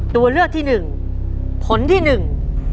ตัวเลือกที่หนึ่งผลที่หนึ่ง